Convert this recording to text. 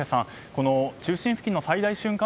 この中心付近の最大瞬間